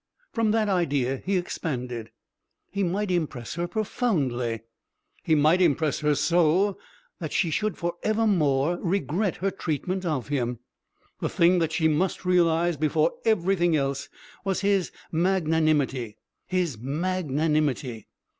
From that idea he expanded. He might impress her profoundly he might impress her so that she should for evermore regret her treatment of him. The thing that she must realise before everything else was his magnanimity. His magnanimity!